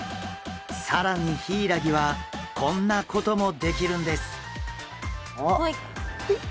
更にヒイラギはこんなこともできるんです！